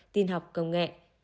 tin học công nghệ